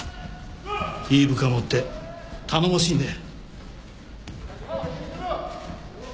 いい部下持って頼もしいね。